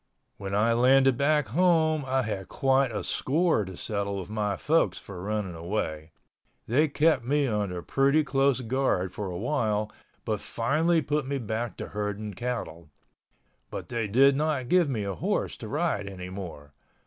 When I landed back home I had quite a score to settle with my folks for running away. They kept me under pretty close guard for awhile but finally put me back to herding cattle—but they did not give me a horse to ride anymore.